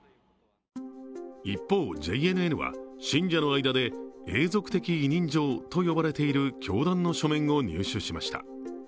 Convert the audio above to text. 一方、ＪＮＮは信者の間で永続的委任状と呼ばれている教団の書面を入手しました。